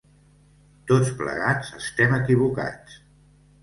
Tots plegats estem equivocats.